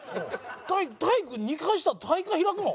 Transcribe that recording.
体育２回したら大会開くの？